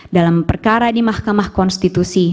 dalam perkara di mahkamah konstitusi